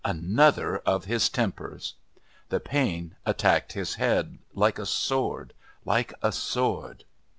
Another of his tempers.... The pain attacked his head like a sword, like a sword.